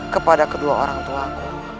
kepada kedua orang tuaku